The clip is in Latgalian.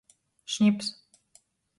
Šnips.